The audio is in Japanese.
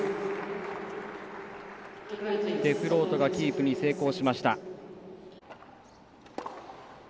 デフロートがキープに成功しました。